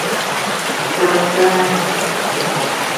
جو ڈرتے ہیں